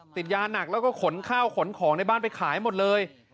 ติดยาหนักแล้วก็ขนข้าวขนของในบ้านไปขายหมดเลย